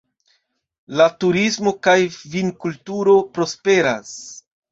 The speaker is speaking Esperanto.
La turismo kaj vinkulturo prosperas.